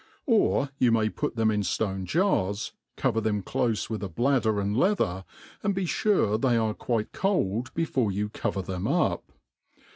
Or you may put them in ftone jars, cover them clofe with a bladder and leather, and be fure they be quite cold before you cover them up.